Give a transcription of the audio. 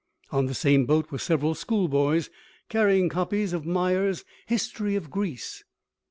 On the same boat were several schoolboys carrying copies of Myers' "History of Greece."